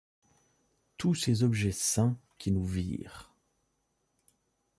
Tous ces objets saints qui nous virent